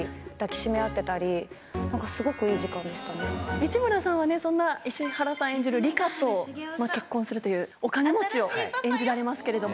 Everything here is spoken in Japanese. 市村さんはそんな石原さん演じる梨花と結婚するというお金持ちを演じられますけれども。